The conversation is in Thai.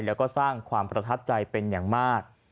แล้วก็สร้างความประทับใจเป็นอย่างมาก